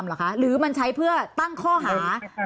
หรือคะหรือมันใช้เพื่อตั้งข้อหา